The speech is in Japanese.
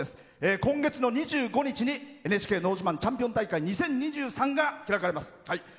今月の２５日に「ＮＨＫのど自慢チャンピオン大会」２０２３が開かれます。